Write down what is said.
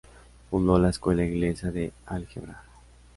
Fundó la "Escuela Inglesa" de álgebra.